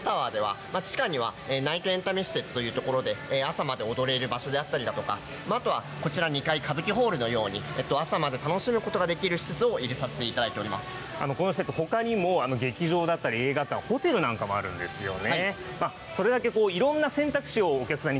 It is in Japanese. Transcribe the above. なので、このとう、歌舞伎町タワーでは、地下には、ナイトエンタメ施設というところで、朝まで踊れる場所であったりだとか、あとはこちら２階歌舞伎ホールのように、朝まで楽しむことができる施設を入れさせていたこの施設、ほかにも劇場だったり、映画館、ホテルなんかもあるんですよね。